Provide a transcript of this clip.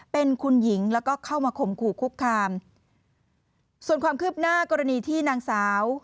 เป็นคุณหญิงแล้วก็เข้ามาข่มขู่คุกคามส่วนความคืบหน้ากรณีที่นางสาว